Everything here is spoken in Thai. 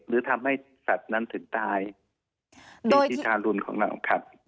หรือทำให้สัตว์นั้นถึงตายเป็นที่ทารุณของเราครับ